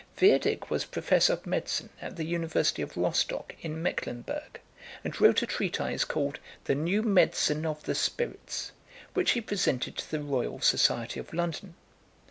Wirdig was professor of medicine at the university of Rostock in Mecklenburg, and wrote a treatise called The New Medicine of the Spirits, which he presented to the Royal Society of London.